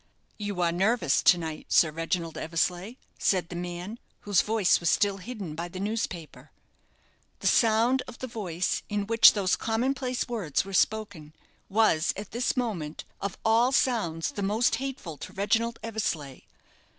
"You are nervous to night, Sir Reginald Eversleigh," said the man, whose voice was still hidden by the newspaper. The sound of the voice in which those common place words were spoken was, at this moment, of all sounds the most hateful to Reginald Eversleigh.